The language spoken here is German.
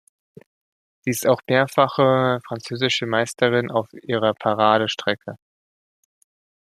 Sie ist auch mehrfache französische Meisterin auf ihrer Paradestrecke.